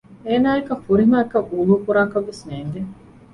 އޭނާއަކަށް ފުރިހަމައަކަށް ވުޟޫ ކުރާކަށްވެސް ނޭގެ